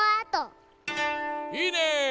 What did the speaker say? いいね！